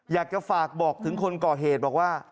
อยากจะฝากบอกถึงคนก่อเหตุบอกว่า